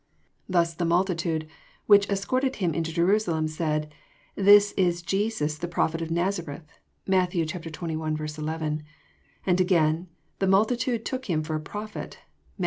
Thus the multitude which escorted Him into Jerusalem said, << This is Jesus the Prophet of Nazareth, (Matt. xxi. 1] ;) and again, "The multitude took Him for a Prophet," (Matt.